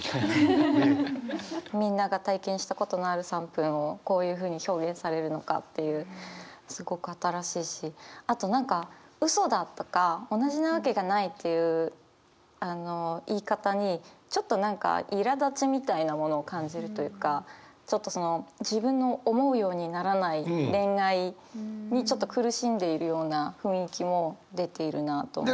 すごい。をこういうふうに表現されるのかっていうすごく新しいしあと何か「嘘だ」とか「同じなわけがない」っていう言い方にちょっと何かいらだちみたいなものを感じるというかちょっとその自分の思うようにならない恋愛にちょっと苦しんでいるような雰囲気も出ているなと思います。